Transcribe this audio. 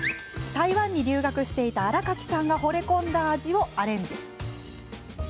台湾に留学していた新垣さんがほれ込んだ味をアレンジ。